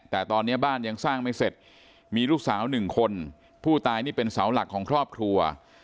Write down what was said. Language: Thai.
แต่ตอนนี้บ้านยังสร้างไม่เสร็จมีลูกสาวหนึ่งคนผู้ตายนี่เป็นเสาหลักของครอบครัว